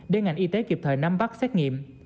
để ngành y tế kịp thời nắm bắt xét nghiệm